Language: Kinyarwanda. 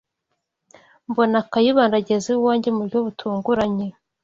mbona Kayibanda ageze iwanjye mu buryo butunguranye